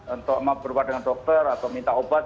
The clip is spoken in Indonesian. untuk berbuat dengan dokter atau minta obat